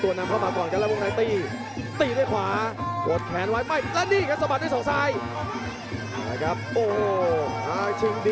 แยกตกยังทุกที่ซ้ายและอวดออกข้างนิดนึง